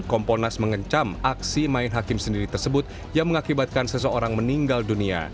kompolnas mengencam aksi main hakim sendiri tersebut yang mengakibatkan seseorang meninggal dunia